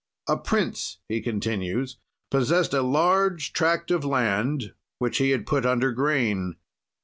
"A prince," he continues, "possest a large? tract of land which he had put under grain.